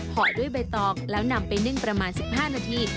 ห่อด้วยใบตองแล้วนำไปนึ่งประมาณ๑๕นาที